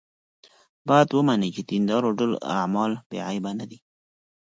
باید ومني چې د دیندارو ټول اعمال بې عیبه نه دي.